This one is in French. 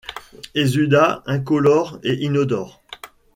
Exudat incolore et inodore.